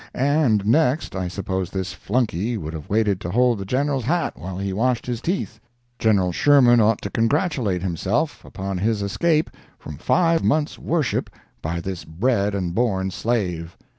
And next, I suppose this flunkey would have waited to hold the General's hat while he washed his teeth. General Sherman ought to congratulate himself upon his escape from five months' worship by this bred and born slave.